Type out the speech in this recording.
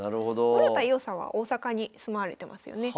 室田伊緒さんは大阪に住まわれてますよね